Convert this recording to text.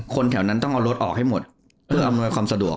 คนแถวนั้นต้องเอารถออกให้หมดเพื่ออำนวยความสะดวก